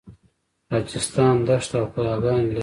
راجستان دښته او کلاګانې لري.